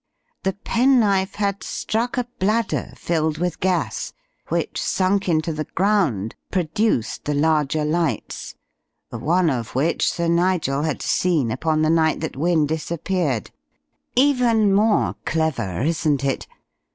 The penknife had struck a bladder filled with gas, which, sunk into the ground, produced the larger lights, one of which Sir Nigel had seen upon the night that Wynne disappeared. Even more clever, isn't it?